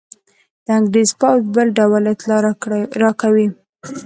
د انګرېز پوځ بل ډول اطلاع راکوي.